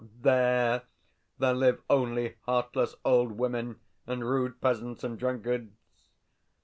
THERE there live only heartless old women and rude peasants and drunkards.